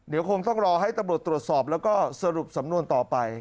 เดี๋ยวคงต้องรอให้ตำรวจตรวจสอบแล้วก็สรุปสำนวนต่อไป